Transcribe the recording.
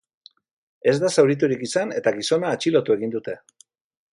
Ez da zauriturik izan eta gizona atxilotu egin dute.